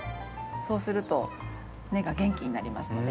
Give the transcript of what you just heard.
そうすると根が元気になりますので。